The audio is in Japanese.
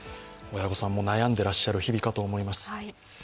親御さんも悩んでらっしゃる日々かと思います。